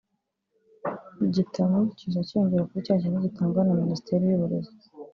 igitabo kiza kiyongera kuri cya kindi gitangwa na Minisiteri y’Uburezi